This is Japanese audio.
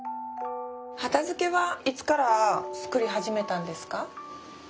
畑漬はいつからつくり始めたんですか？